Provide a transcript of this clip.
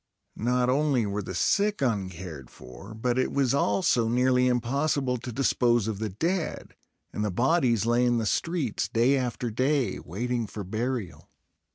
Not only were the sick uncared for, but it was also nearly impossible to dispose of the dead; and the bodies lay in the streets day after day, waiting for burial.